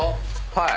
はい。